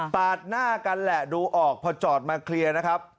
หน้ากันแหละดูออกพอจอดมาเคลียร์นะครับ